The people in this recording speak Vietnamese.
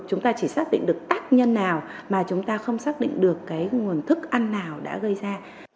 chúng ta chỉ xác định được tác nhân nào mà chúng ta không xác định được cái nguồn thức ăn nào đã gây ra